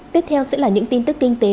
tiếp theo sẽ là những tin tức kinh tế